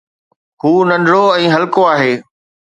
هو ننڍڙو ۽ هلڪو آهي.